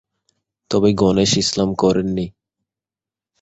তবে গণেশ ইসলাম করেননি।